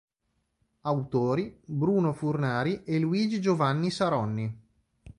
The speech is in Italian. Autori: Bruno Furnari e Luigi Giovanni Saronni